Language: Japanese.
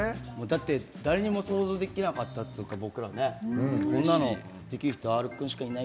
だって誰にも想像できなかったっつうか僕らねこんなのできる人Ｒ君しかいないよって思って。